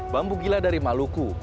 bambu gila dari maluku